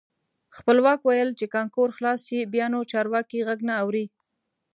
خپلواک ویل چې کانکور خلاص شي بیا نو چارواکي غږ نه اوري.